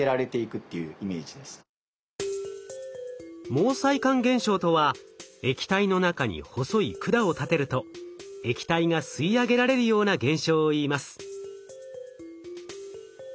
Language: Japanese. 毛細管現象とは液体の中に細い管を立てると液体が吸い上げられるような現象をいいます。